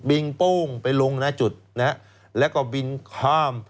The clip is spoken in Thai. บิ่งปุ้งไปลงหน้าจุดแล้วก็บินข้าม